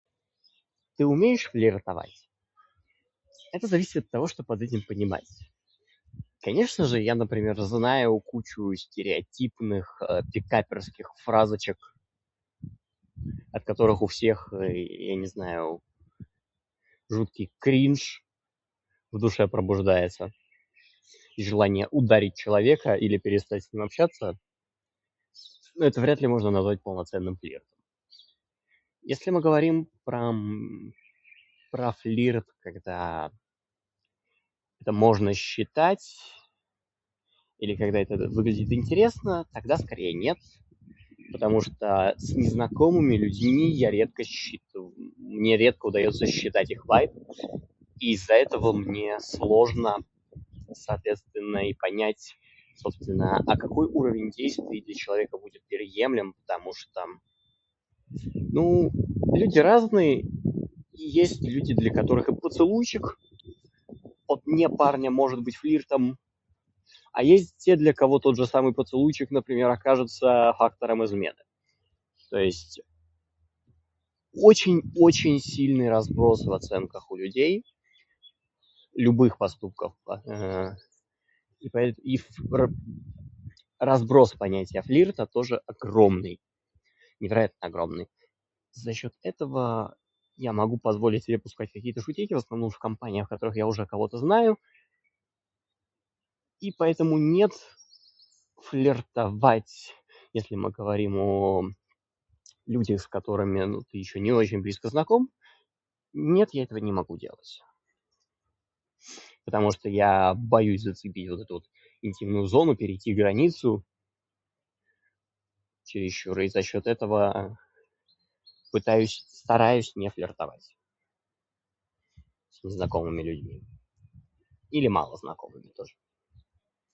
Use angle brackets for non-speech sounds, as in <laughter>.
"""Ты умеешь флиртовать?"". Это зависит от того, что под этим понимать. Конечно же я, например, знаю кучу стереотипных <hesitation> пикаперских фразочек, от которых у всех, [disfluency|э] я не знаю, жуткий кринж в душе пробуждается. И желание ударить человека или перестать с ним общаться. Но это вряд ли можно назвать полноценным флиртом. Если мы говорим про, <hesitation> про флирт, когда это можно считать или когда это в- выглядит интересно, тогда скорее нет, потому что с незнакомыми людьми я редко считыва- мне редко удаётся считать их вайб. И из-за этого мне сложно соответственно и понять, собственно, а какой уровень действий для человека будет приемлем? Потому что, ну, люди разные и есть люди, для которых и поцелуйчик от не парня может быть флиртом. А есть те для, кого тот же самый поцелуйчик, например, окажется фактором измены. То есть... очень-очень сильный разброс в оценках у людей. Любых поступков по- [disfluency|э] и поя- и ф- пр-... разброс понятия флирта тоже огромный. Невероятно огромный. За счёт этого я могу позволить себе позволить пускать какие-то шутейки. В основном в компаниях, в которых я уже кого-то знаю. И поэтому нет, флиртовать, если мы говорим о-о-о, людях, с которыми, ну, ты ещё не очень близко знаком - нет, я этого не могу делать. Потому что я боюсь зацепить вот эту вот интимную зону, перейти границу чересчур, и за счёт этого пытаюсь стараюсь не флиртовать с незнакомыми людьми или малознакомыми тоже."